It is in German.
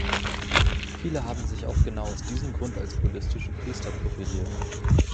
Viele haben sich auch genau aus diesem Grund als buddhistische Priester profiliert.